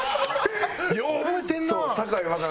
よう覚えてんな！